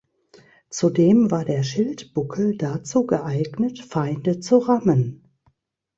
Zudem war der Schildbuckel dazu geeignet, Feinde zu rammen.